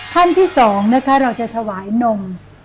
ขั้นที่๒นะคะเราจะถวายนม